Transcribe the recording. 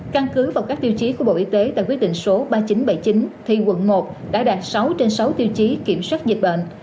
căn cứ vào các tiêu chí của bộ y tế tại quyết định số ba nghìn chín trăm bảy mươi chín thì quận một đã đạt sáu trên sáu tiêu chí kiểm soát dịch bệnh